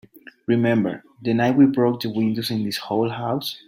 Remember the night we broke the windows in this old house?